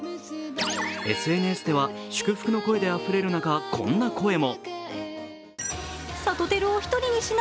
ＳＮＳでは祝福の声であふれる中こんな声も。